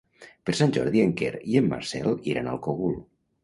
Per Sant Jordi en Quer i en Marcel iran al Cogul.